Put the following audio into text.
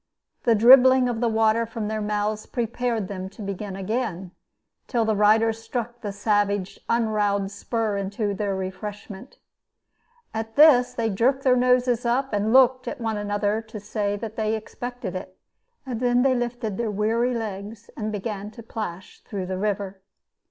The dribbling of the water from their mouths prepared them to begin again, till the riders struck the savage unroweled spur into their refreshment. At this they jerked their noses up, and looked at one another to say that they expected it, and then they lifted their weary legs and began to plash through the river.